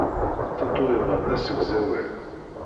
Tatoeba d asegzawal.